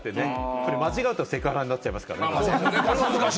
これ間違うと、セクハラになっちゃいますから。